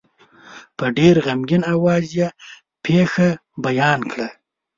په ډېر غمګین آواز یې پېښه بیان کړه.